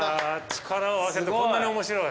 力を合わせるってこんなに面白い。